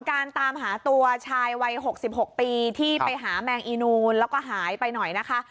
ตามหาตัวชายวัย๖๖ปีที่ไปหาแมงอีนูนแล้วก็หายไปหน่อยนะคะ